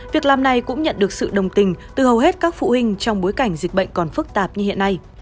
việc làm này cũng nhận được sự đồng tình từ hầu hết các phụ huynh trong bối cảnh dịch bệnh còn phức tạp như hiện nay